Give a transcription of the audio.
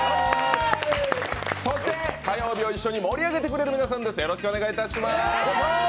そして火曜日を一緒に盛り上げてくれる皆さんです。